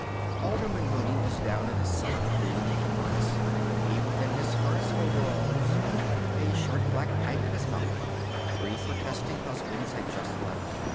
Alderman Mooney was down in the cellar, fooling with the furnace. He was in his furnace overalls; a short black pipe in his mouth. Three protesting husbands had just left.